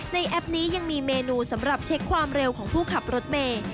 แอปนี้ยังมีเมนูสำหรับเช็คความเร็วของผู้ขับรถเมย์